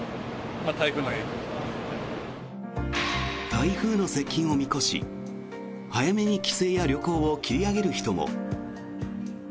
台風の接近を見越し早めに帰省や旅行を切り上げる人も。